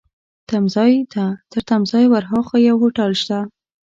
تمځای ته، تر تمځای ورهاخوا یو هوټل شته.